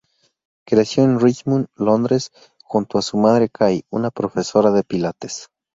Creció en Richmond, Londres, junto a su madre, Kay, una profesora de pilates.